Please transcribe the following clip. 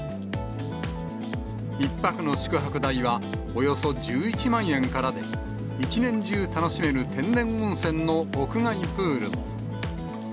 １泊の宿泊代はおよそ１１万円からで、一年中楽しめる天然温泉の屋外プールも。